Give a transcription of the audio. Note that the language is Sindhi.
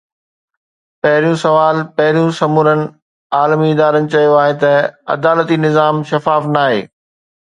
پهريون سوال پهريون! سمورن عالمي ادارن چيو آهي ته عدالتي نظام شفاف ناهي.